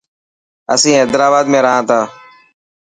اسين حيدرآباد ۾ رهان ٿا.